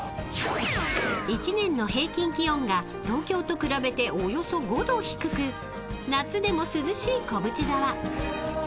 ［１年の平均気温が東京と比べておよそ５℃低く夏でも涼しい小淵沢］